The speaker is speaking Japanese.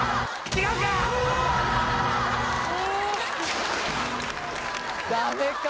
違うか！